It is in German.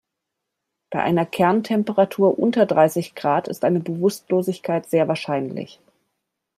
Bei einer Kerntemperatur unter dreißig Grad ist eine Bewusstlosigkeit sehr wahrscheinlich.